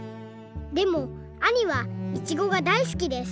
でもあにはいちごがだいすきです。